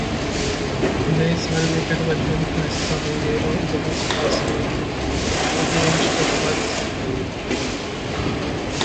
नए साल में महागठबंधन का हिस्सा होंगे रामविलास पासवान: रघुवंश प्रसाद सिंह